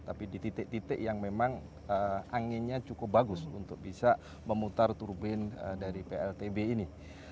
tapi di titik titik yang memang anginnya cukup bagus untuk bisa memutar turbin dari pltb ini